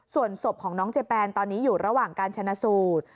ส่วนศพของน้องเจแปนตอนนี้อยู่ระหว่างการชนะสูตร